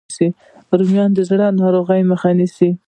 رومیان د زړه د ناروغیو مخه نیسي